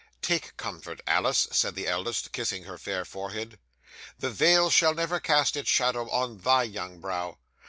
'"Take comfort, Alice," said the eldest, kissing her fair forehead. "The veil shall never cast its shadow on thy young brow.